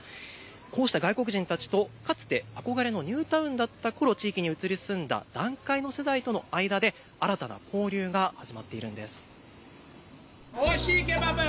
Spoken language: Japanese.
こうした外国人たちとかつて憧れのニュータウンだったころ、地域に移り住んだ団塊の世代との間で新たな交流が始まっているんです。